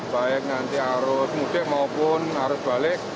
baik nanti arus mudik maupun arus balik